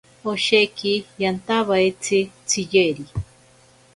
Osheki yantaeaitzi tsiyeri.